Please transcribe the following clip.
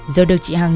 rồi được chị hằng